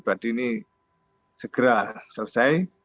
jadi ini segera selesai